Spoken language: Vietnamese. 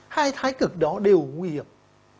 hai thái cực đó đều nguy hiểm